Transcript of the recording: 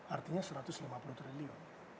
artinya satu ratus lima puluh triliun